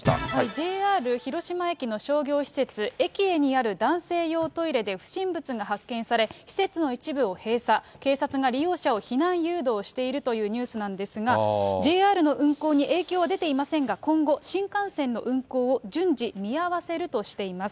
ＪＲ広島駅の商業施設、エキエにある男性用トイレで不審物が発見され、施設の一部を閉鎖、警察が利用者を避難誘導しているというニュースなんですが、ＪＲの運行に影響は出ていませんが、今後、新幹線の運行を順次見合わせるとしています。